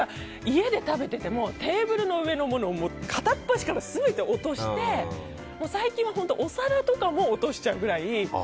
家で食べていてもテーブルの上のものを片っ端から全て落として最近は本当お皿とかも落としちゃうくらい。